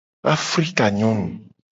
Afrikanyonu!